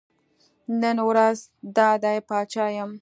نن ورځ دا دی پاچا یم.